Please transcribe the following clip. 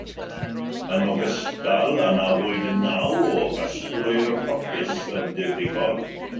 Yn ogystal, anafwyd naw o gasglwyr hopys yn ddifrifol.